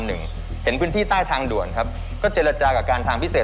เห็นพื้นที่ใต้ทางด่วนครับก็เจรจากับการทางพิเศษ